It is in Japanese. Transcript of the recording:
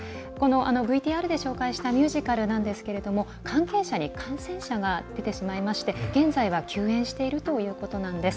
ＶＴＲで紹介したミュージカルなんですが関係者に感染者が出てしまいまして現在は休演しているということなんです。